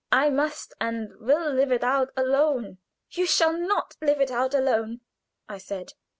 I must and will live it out alone." "You shall not live it out alone," I said.